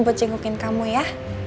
buat cengukin kamu ya